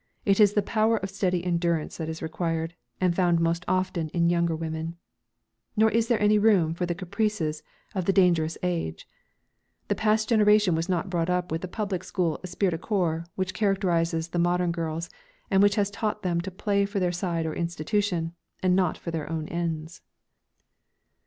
It is the power of steady endurance that is required, and found most often in younger women. Nor is there any room for the caprices of the dangerous age. The past generation was not brought up with the public school esprit de corps which characterises the modern girls, and which has taught them to play for their side or institution, and not for their own ends.